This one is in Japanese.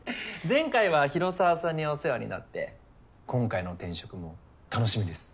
前回は広沢さんにお世話になって今回の転職も楽しみです。